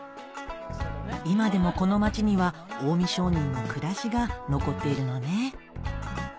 今でもこの町には近江商人の暮らしが残っているのね